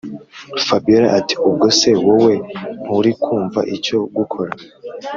fabiora ati”ubwo se wowe nturikumva icyo gukora”